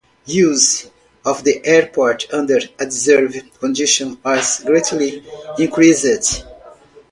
Use of the airport under adverse conditions was greatly increased.